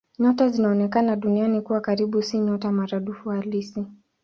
Nyota zinazoonekana Duniani kuwa karibu si nyota maradufu halisi.